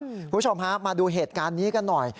คุณผู้ชมฮะมาดูเหตุการณ์นี้กันหน่อย